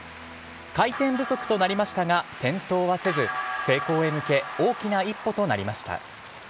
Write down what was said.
回転不足となりましたが、転倒はせず、成功へ向け、大きな一歩となりました。